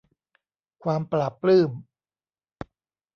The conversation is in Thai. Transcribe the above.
ความปลาบปลื้ม